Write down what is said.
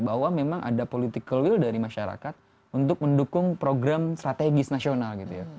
bahwa memang ada political will dari masyarakat untuk mendukung program strategis nasional gitu ya